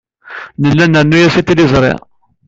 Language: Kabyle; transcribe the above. Nella nrennu-as i tliẓri.